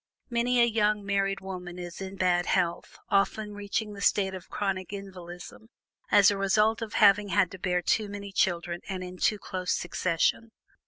Many a young married woman is in bad health often reaching the state of chronic invalidism as the result of having had to bear too many children, and in too close succession.